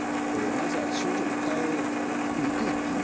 まずは症状を訴えにくいっていうんですかね。